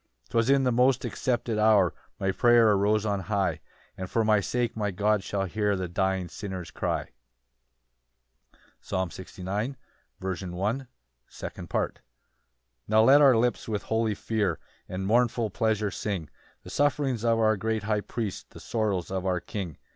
12 "'Twas in a most accepted hour "My prayer arose on high, "And for my sake my God shall hear "The dying sinner's cry." Psalm 69:2. 14 21 26 29 32. 2d Part. C. M. The passion and exaltation of Christ. 1 Now let our lips with holy fear And mournful pleasure sing The sufferings of our great High Priest, The sorrows of our King.